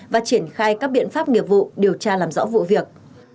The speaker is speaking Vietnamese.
và triển khai các biện pháp nghiệp vụ điều tra làm rõ vụ việc